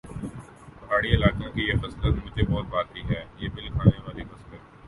پہاڑی علاقوں کی یہ خصلت مجھے بہت بھاتی ہے یہ بل کھانے والی خصلت